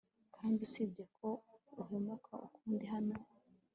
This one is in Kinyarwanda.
kandi usibye ko uhumeka ukundi hano